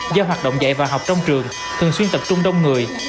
do hoạt động dạy và học trong trường thường xuyên tập trung đông người